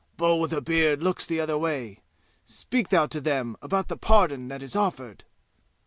Bull with a beard looks the other way. Speak thou to them about the pardon that is offered!"